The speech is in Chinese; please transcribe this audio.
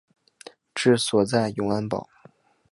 治所在永安堡。